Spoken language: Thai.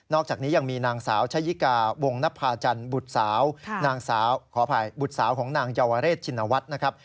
อกจากนี้ยังมีนางสาวชะยิกาวงนภาจันทร์บุตรสาวนางสาวขออภัยบุตรสาวของนางเยาวเรชชินวัฒน์นะครับ